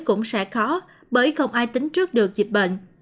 cũng sẽ khó bởi không ai tính trước được dịch bệnh